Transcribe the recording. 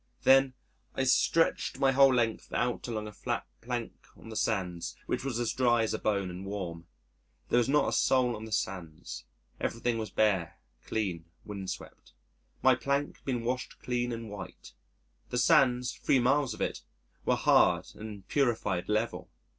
Then I stretched my whole length out along a flat plank on the sands, which was as dry as a bone and warm. There was not a soul on the sands. Everything was bare, clean, windswept. My plank had been washed clean and white. The sands 3 miles of it were hard and purified, level.